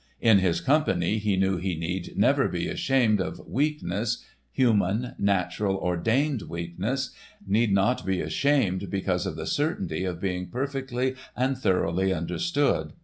In his company he knew he need never be ashamed of weakness, human, natural, ordained weakness, need not be ashamed because of the certainty of being perfectly and thoroughly understood.